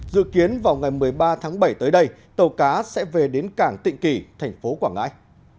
dự kiến vào ngày một mươi ba tháng bảy tới đây tàu cá sẽ về đến cảng tịnh kỳ thành phố quảng ngãi